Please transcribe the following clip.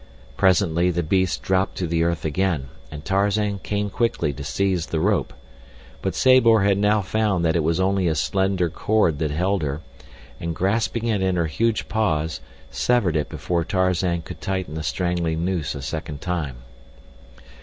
Presently the beast dropped to the earth again and Tarzan came quickly to seize the rope, but Sabor had now found that it was only a slender cord that held her, and grasping it in her huge jaws severed it before Tarzan could tighten the strangling noose a second time.